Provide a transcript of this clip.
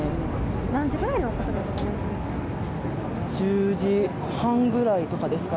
何時ぐらいのことですか。